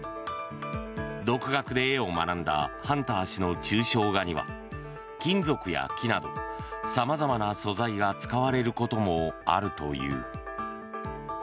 独学で絵を学んだハンター氏の抽象画には金属や木など様々な素材が使われることもあるという。